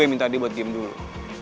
gue minta dia buat diem dulu